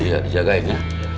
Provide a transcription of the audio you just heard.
iya dijagain ya